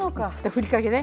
ふりかけね。